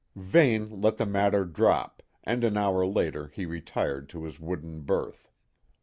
Vane let the matter drop, and an hour later he retired to his wooden berth.